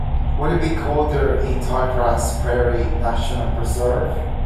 Will it be colder in Tallgrass Prairie National Preserve?